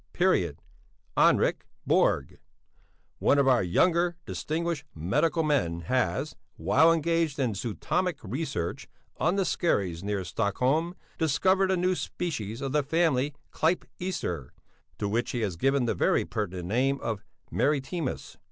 Henrik Borg, one of our younger distinguished medical men has, while engaged in zootomic research on the skerries near Stockholm, discovered a new species of the family Clypeaster, to which he has given the very pertinent name of maritimus.